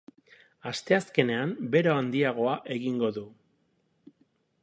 Asteazkenean, bero handiagoa egingo du.